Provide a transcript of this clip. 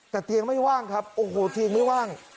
แต่เตียงไม่ว่างครับโอ้โหเตียงไม่ว่าง